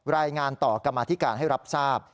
รายงานต่อกรรมาธิการให้รับทราบ